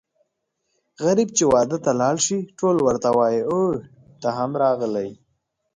غريب چې واده ته لاړ شي ټول ورته وايي اووی ته هم راغلی یې.